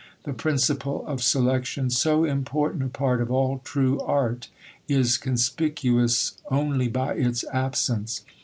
The principle of selection so important a part of all true art is conspicuous only by its absence.